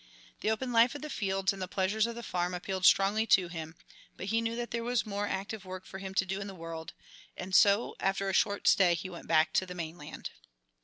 The open life of the fields and the pleasures of the farm appealed strongly to him, but he knew that there was more active work for him to do in the world, and so, after a short stay, he went back to the main land.